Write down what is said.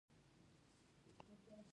د لوکارنو پلوي رویه یو څه سړه ښکارېده.